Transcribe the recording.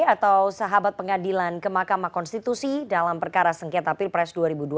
atau sahabat pengadilan kemakamah konstitusi dalam perkara sengketa pilpres dua ribu dua puluh empat